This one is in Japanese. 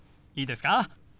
いいですか？